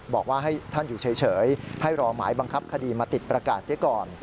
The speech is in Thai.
บอกว่าให้ท่านอยู่เฉยให้รอหมายบังคับคดีมาติดประกาศเสียก่อน